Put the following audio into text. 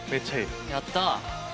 やった！